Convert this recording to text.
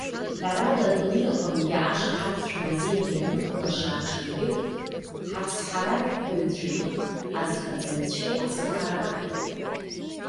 Ҳәарада, адунеи аҟынгьы, ашаҳаҭцәа мазеины ианыҟалаша аҽынгьы, ҳацҳаражәҳәаҩцәеи азхаҵаҩцәеи ацхыраара раҳҭоит.